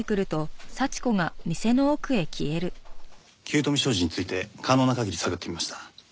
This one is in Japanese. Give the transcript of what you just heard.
九斗美商事について可能な限り探ってみました。